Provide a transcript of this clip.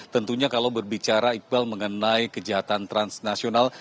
tentunya kalau berbicara iqbal mengenai kejahatan transnasional